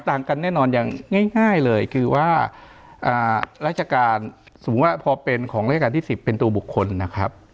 ต่างกันแน่นอนอย่างง่ายเลยคือว่าราชการสมมุติว่าพอเป็นของราชการที่๑๐เป็นตัวบุคคลนะครับ